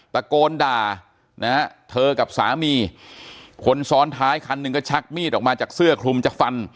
ตะโกนด่านะฮะเธอกับสามีคนซ้อนท้ายคันหนึ่งก็ชักมีดออกมาจากเสื้อคลุมจะฟัน